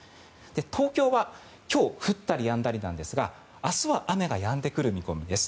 東京は今日降ったりやんだりなんですが明日は雨がやんでくる見込みです。